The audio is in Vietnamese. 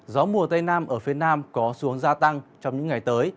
gió mùa tây nam ở phía nam có xuống gia tăng trong những ngày tới